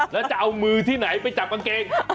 แล้วจะเอามือที่ไหนไปจับกางเกง